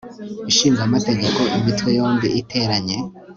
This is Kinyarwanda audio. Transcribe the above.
ishinga amategeko imitwe yombi iteranye